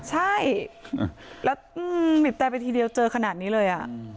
ใช่แล้วหนีบตายไปทีเดียวเจอขนาดนี้เลย